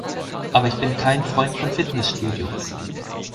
Aber ich bin kein Freund von Fitnessstudios.